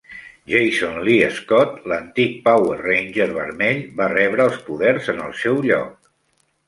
Jason Lee Scott, l'antic Power Ranger vermell, va rebre els poders en el seu lloc.